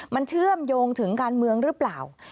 มันเชื่อมโยงถึงการเมืองหรือเปล่า